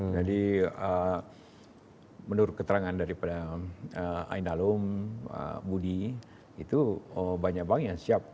jadi menurut keterangan dari aindalum budi itu banyak bank yang siap